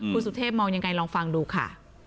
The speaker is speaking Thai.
คุณสุเทพมองยังไงลองฟังดูค่ะ